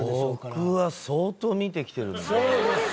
僕は相当見てきてるんで。